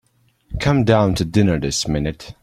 Come down to dinner this minute.